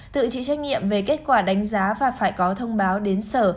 tự chịu trách nhiệm về kết quả đánh giá và phải có thông báo đến sở